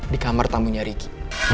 di kamar tamunya ricky